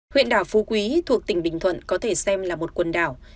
huyện đảo phú quý thuộc tỉnh bình thuận có thể xem là một quần đảo